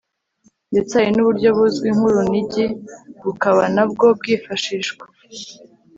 ndetse hari n'uburyo buzwi nk'urunigi, bukaba na bwo bwifashishwa